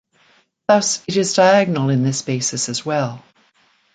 Thus it is diagonal in this basis as well.